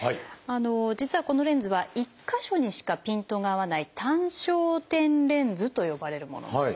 実はこのレンズは１か所にしかピントが合わない単焦点レンズと呼ばれるものなんですね。